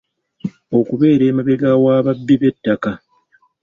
Okubeera emabega w’ababbi b’ettaka.